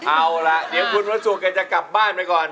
เอาล่ะเดี๋ยวคุณพระสุกแกจะกลับบ้านไปก่อน